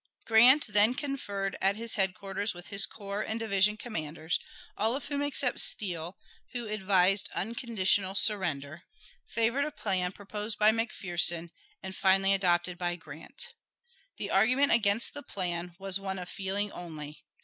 Grant then conferred at his headquarters with his corps and division commanders, all of whom, except Steele, who advised unconditional surrender, favored a plan proposed by McPherson, and finally adopted by Grant. The argument against the plan was one of feeling only.